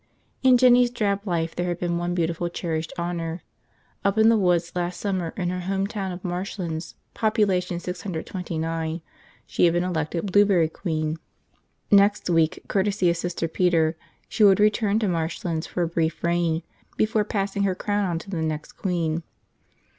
In Jinny's drab life there had been one beautiful, cherished honor. Up in the woods last summer in her home town of Marshlands, population six hundred twenty nine, she had been elected Blueberry Queen. Next week, courtesy of Sister Peter, she would return to Marshlands for a brief reign before passing her crown on to the new queen.